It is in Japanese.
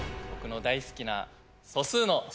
僕の大好きな素数の１７。